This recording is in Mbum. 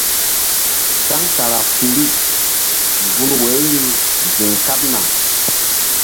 Centrafirikgun woyri ziŋ kaɓna.